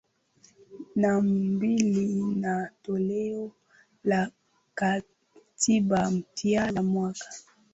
na mbili na toleo la katiba mpya la mwaka